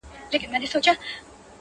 د پردیو په کوڅه کي ارمانونه ښخومه٫